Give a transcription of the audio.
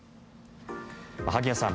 萩谷さん